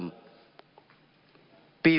ปี๒๕๓๖ตรงที่๓๗